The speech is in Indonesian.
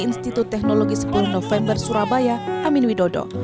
institut teknologi sepuluh november surabaya amin widodo